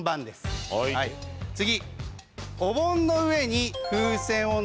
次。